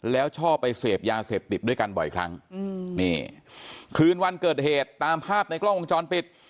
แล้วชอบไปเสพยาเสพติดด้วยกันบ่อยครั้งนี่คืนวันเกิดเหตุตามภาพในกล้องวงจรปิด